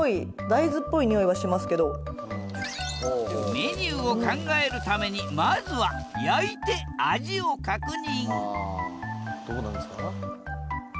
メニューを考えるためにまずは焼いて味を確認